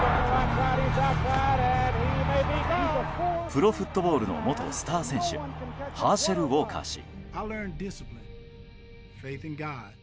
プロフットボールの元スター選手ハーシェル・ウォーカー氏。